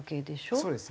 そうですね。